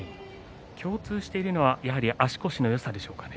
共通しているのはやっぱり足腰のよさでしょうか。